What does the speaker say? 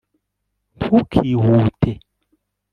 ntukihute